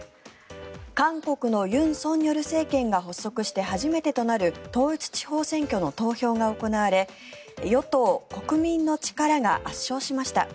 韓国の尹錫悦政権が発足して初めてとなる統一地方選挙の投票が行われ与党・国民の力が圧勝しました。